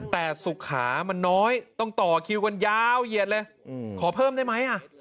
แต่สุขามันน้อยต้องต่อคิวกันยาวเหยียดเลยขอเพิ่มได้ไหม